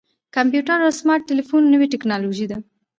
کمپیوټر او سمارټ ټلیفون نوې ټکنالوژي ده.